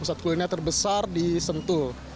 pusat kuliner terbesar di sentul